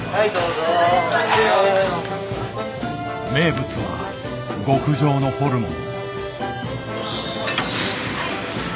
名物は極上のホルモン。